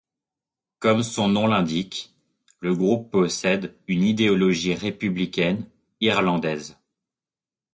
Comme son nom l’indique, le groupe possède une idéologie républicaine irlandaise.